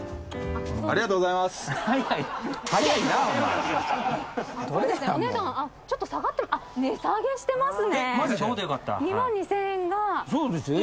ありがとうございます。